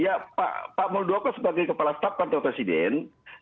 ya pak muldoko sebagai kepala staf kantor presiden